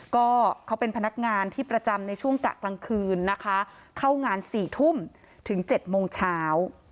ก็เขาเป็นพนักงานที่ประจำในช่วงกะกลางคืนนะคะเข้างาน๔ทุ่มถึง๗โมงเช้า